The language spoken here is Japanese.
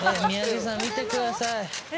三宅さん、見てください。